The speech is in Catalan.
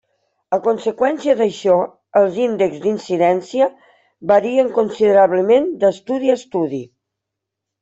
A conseqüència d'això, els índexs d'incidència varien considerablement d'estudi a estudi.